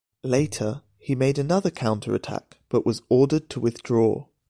Later, he made another counterattack, but was ordered to withdraw.